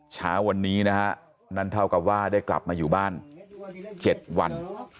เช้าวันนี้นะฮะนั่นเท่ากับว่าได้กลับมาอยู่บ้าน๗วัน